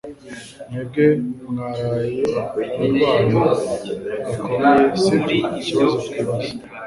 Mwembi mwaraye urwana bikomeye sibyoikibazo twibaza